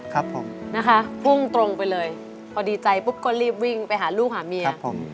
ครับผมนะคะพุ่งตรงไปเลยพอดีใจปุ๊บก็รีบวิ่งไปหาลูกหาเมียผม